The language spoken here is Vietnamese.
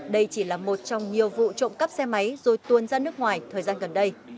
đây chỉ là một trong nhiều vụ trộm cắp xe máy rồi tuôn ra nước ngoài thời gian gần đây